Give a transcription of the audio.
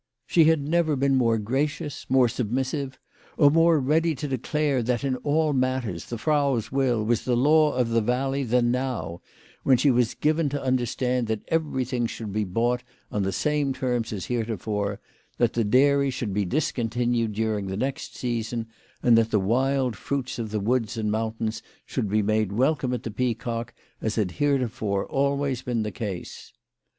She had never been more gracious, more submissive, or more ready to declare that in all matters the Frau's will was the law of the valley than now, when she was given to understand that everything should be bought on the same terms as heretofore, that the dairy should be dis continued during the next season, and that the wild fruits of the woods and mountains should be made welcome at the Peacock as had heretofore always been the case.